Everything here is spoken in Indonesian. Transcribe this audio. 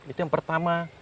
itu yang pertama